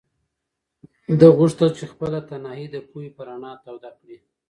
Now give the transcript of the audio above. ده غوښتل چې خپله تنهایي د پوهې په رڼا توده کړي.